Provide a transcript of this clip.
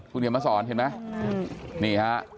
คุณเห็นไหมนี่ฮะ